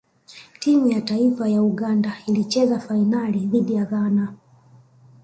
timu ya taifa ya uganda ilicheza fainali dhidi ya ghana